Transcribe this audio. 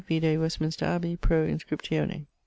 vide Westminster Abbey pro inscriptione.